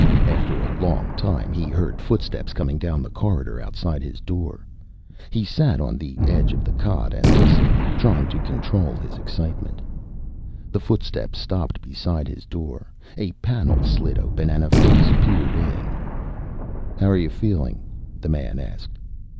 After a long time, he heard footsteps coming down the corridor outside his door. He sat on the edge of the cot and listened, trying to control his excitement. The footsteps stopped beside his door. A panel slid open, and a face peered in. "How are you feeling?" the man asked.